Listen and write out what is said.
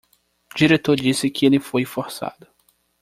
Diretor disse que ele foi forçado